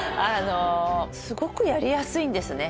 すごくやりやすいんですね